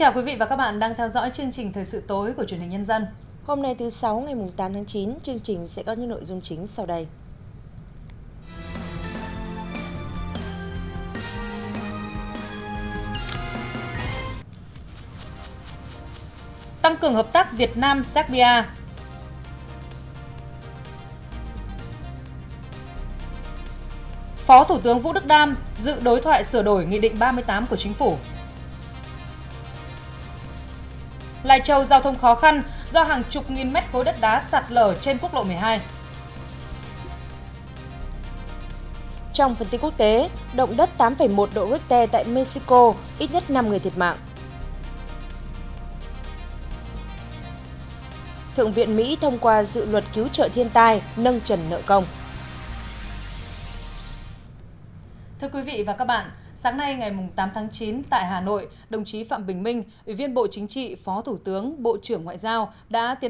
các bạn hãy đăng ký kênh để ủng hộ kênh của chúng mình nhé